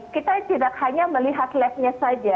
kita tidak hanya melihat lab nya saja